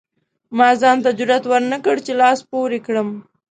ما ځان ته جرئت ورنکړ چې لاس پورې کړم.